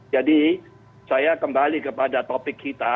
jadi saya kembali kepada topik kita